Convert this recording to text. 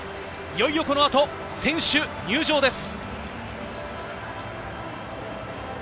いよいよ、このあと選手入場です。